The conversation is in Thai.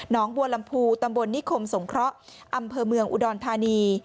บัวลำพูตำบลนิคมสงเคราะห์อำเภอเมืองอุดรธานี